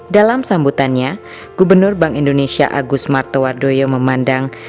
dalam sambutannya gubernur bank indonesia agus martowardoyo memandang